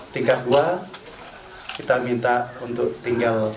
tingkat dua kita minta untuk tinggal